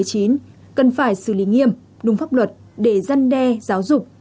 cần phải xử lý nghiêm đúng pháp luật để giăn đe giáo dục